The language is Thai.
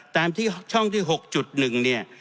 ตามช่องที่๖๑